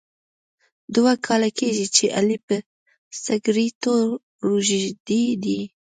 دوه کاله کېږي چې علي په سګرېټو روږدی دی.